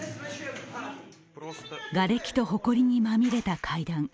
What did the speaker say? がれきと、ほこりにまみれた階段。